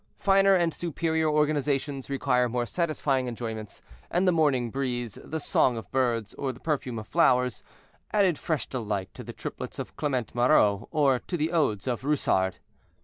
Finer and superior organizations require more satisfying enjoyments; and the morning breeze, the song of birds, or the perfumes of flowers, added fresh delight to the triplets of Clement Marot, or to the odes of Rousard.